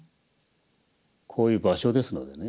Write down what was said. こういう場所ですのでね